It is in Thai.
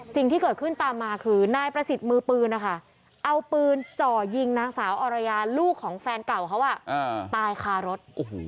สิ่งที่เกิดขึ้นตามมาคือนายประสิทธิ์มือปืนนะคะเอาปืนจ่อยิงนางสาวอรยาลูกของแฟนเก่าเขาตายคารถ